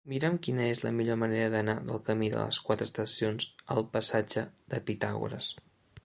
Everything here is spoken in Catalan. Mira'm quina és la millor manera d'anar del camí de les Quatre Estacions al passatge de Pitàgores.